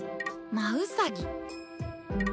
魔ウサギ。